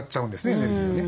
エネルギーをね。